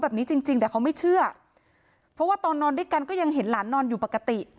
จริงจริงแต่เขาไม่เชื่อเพราะว่าตอนนอนด้วยกันก็ยังเห็นหลานนอนอยู่ปกติ